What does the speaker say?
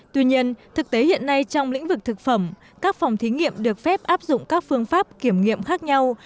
tuy nhiên thực tế hiện nay trong lĩnh vực thực phẩm các phòng thí nghiệm được phép áp dụng các phương pháp kiểm nghiệm khác nhau